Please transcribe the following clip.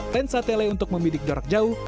tensa tele untuk membidik jarak jauh